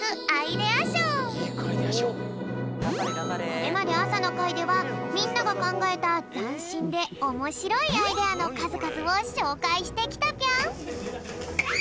これまであさのかいではみんながかんがえたざんしんでおもしろいアイデアのかずかずをしょうかいしてきたぴょん。